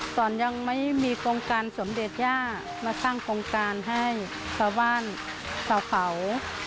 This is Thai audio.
ตอนยังไม่มีโครงการสมเด็จย่ามาสร้างโครงการให้ชาวบ้านเตาเผา